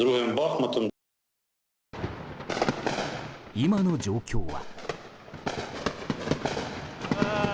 今の状況は。